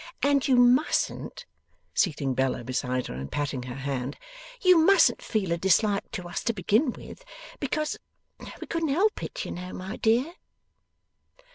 And you mustn't,' seating Bella beside her, and patting her hand, 'you mustn't feel a dislike to us to begin with, because we couldn't help it, you know, my dear.